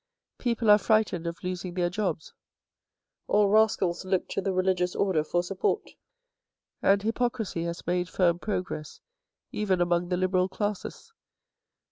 People are frightened of losing their jobs. All rascals look to the religious order for support, aud hypocrisy has made firm progress even among the Liberal classes.